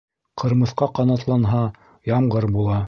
Ҡырмыҫҡа ҡанатланһа, ямғыр була.